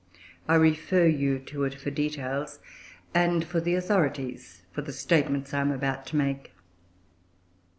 I refer you to it for details and for the authorities for the statements I am about to make.